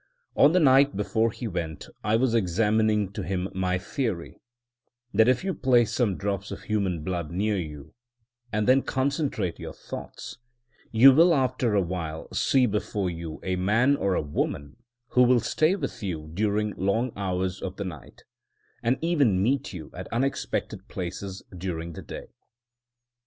On the night before he went I was explaining to him my theory, that if you place some drops of human blood near you, and then concentrate your thoughts, you will after a while see before you a man or a woman who will stay with you during long hours of the night, and even meet you at unexpected places during the day.